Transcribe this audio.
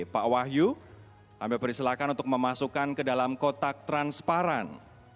pak wahyu ambil persilakan untuk memasukkan ke dalam kotak transparan